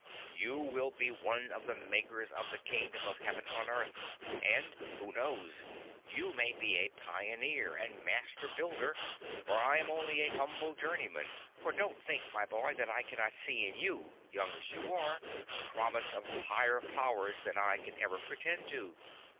You will be one of the makers of the Kingdom of Heaven on earth; and who knows? you may be a pioneer and master builder where I am only a humble journeyman; for don't think, my boy, that I cannot see in you, young as you are, promise of higher powers than I can ever pretend to.